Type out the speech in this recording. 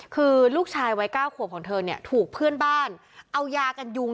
คือลูกชายวัย๙ขวบของเธอเนี่ยถูกเพื่อนบ้านเอายากันยุง